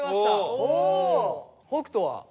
北斗は？